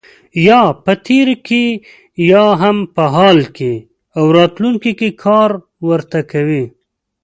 یا په تېر کې یا هم په حال او راتلونکي کې کار ورته کوي.